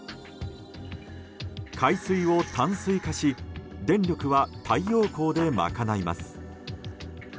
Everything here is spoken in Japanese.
海水を淡水化し電力は太陽光で賄います。